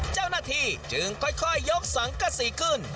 เจ้าหน้าที่จึงค่อยยกสังกษีขึ้น